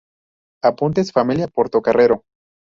Apuntes familia Portocarrero.